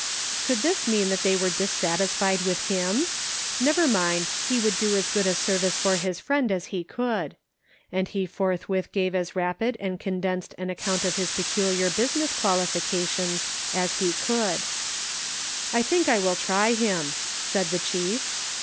Could this mean that they were dissatisfied with him ? Never mind, he would do as good a service for his friend as he could. And he forthwith gave as rapid and condensed an account of his peculiar business qualifications as he could. 464 The Pocket Measure. " I think we will try him," said the chief.